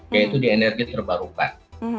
yaitu di energi terbarukan